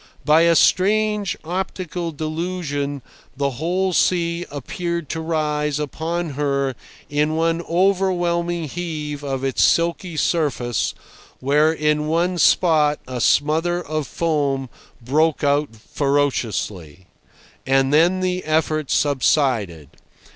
By a strange optical delusion the whole sea appeared to rise upon her in one overwhelming heave of its silky surface, where in one spot a smother of foam broke out ferociously. And then the effort subsided.